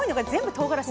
とうがらし。